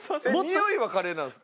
においはカレーなんですか？